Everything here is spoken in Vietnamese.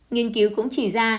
nghiên cứu cũng chỉ ra